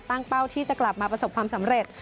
เป้าที่จะกลับมาประสบความสำเร็จ